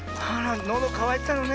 のどかわいてたのね。